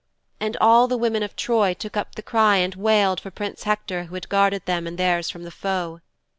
And all the women of Troy took up the cry and wailed for Prince Hector who had guarded them and theirs from the foe.